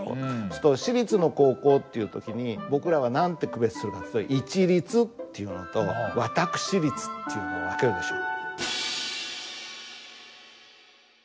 するとシリツの高校っていう時に僕らは何て区別するかっていうと「市立」っていうのと「私立」っていうのを分けるでしょ。